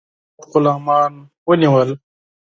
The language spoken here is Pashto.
ډېر زیات غلامان ونیول.